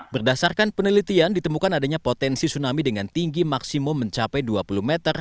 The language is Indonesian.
berdasarkan penelitian ditemukan adanya potensi tsunami dengan tinggi maksimum mencapai dua puluh meter